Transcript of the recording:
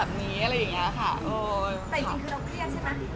แต่จริงคือเราเครียดใช่ไหมเราเครียดเนอะ